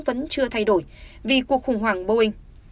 vẫn chưa thay đổi vì cuộc khủng hoảng boeing